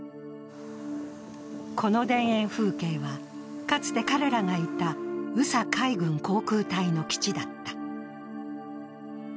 この田園風景は、かつて彼らがいた宇佐海軍航空隊の基地だった。